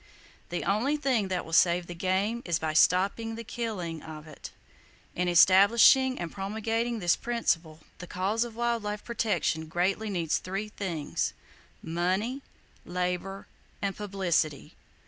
The only thing that will save the game is by stopping the killing of it! In establishing and promulgating this principle, the cause of wild life protection greatly needs three things: money, labor, and publicity.